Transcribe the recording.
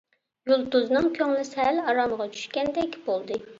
يۇلتۇزنىڭ كۆڭلى سەل ئارامىغا چۈشكەندەك بولدى.